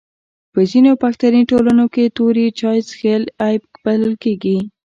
په ځینو پښتني ټولنو کي توري چای چیښل عیب بلل کیږي.